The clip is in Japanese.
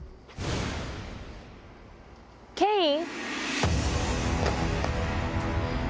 ケイン？